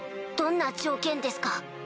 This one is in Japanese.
どんな条件ですか？